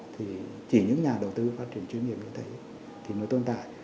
thì chỉ những nhà đầu tư phát triển chuyên nghiệp như thế thì nó tồn tại